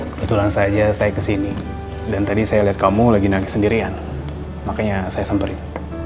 kebetulan saja saya kesini dan tadi saya lihat kamu lagi naik sendirian makanya saya samperin